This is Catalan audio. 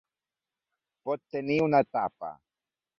Pot tenir una tapa.